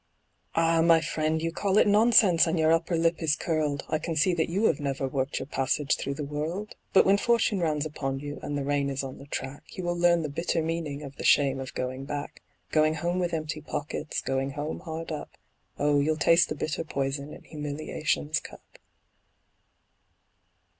Ah! my friend, you call it nonsense, and your upper lip is curled, I can see that you have never worked your passage through the world; But when fortune rounds upon you and the rain is on the track, You will learn the bitter meaning of the shame of going back; Going home with empty pockets, Going home hard up; Oh, you'll taste the bitter poison in humiliation's cup.